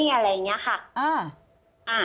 อะไรอย่างนี้